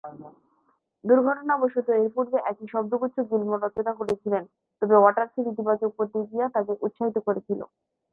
দুর্ঘটনাবশত এর পূর্বে একই শব্দগুচ্ছ গিলমোর রচনা করেছিলেন, তবে ওয়াটার্সের ইতিবাচক প্রতিক্রিয়া তাকে উৎসাহিত করা হয়েছিল।